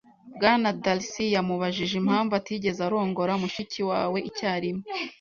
Bwana Darcy yamubajije impamvu atigeze arongora mushiki wawe icyarimwe.